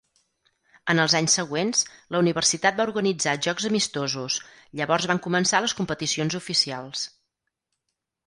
En els anys següents, la universitat va organitzar jocs amistosos, llavors van començar les competicions oficials.